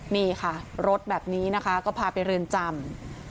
นี่ค่ะรถแบบนี้นะคะก็พาไปเรือนจำ